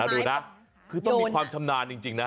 ดูนะคือต้องมีความชำนาญจริงนะ